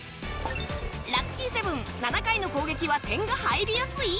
ラッキーセブン、７回の攻撃は点が入りやすい？